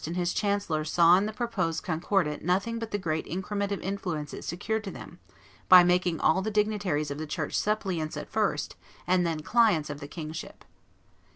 and his chancellor saw in the proposed Concordat nothing but the great increment of influence it secured to them, by making all the dignitaries of the church suppliants at first and then clients of the kingship.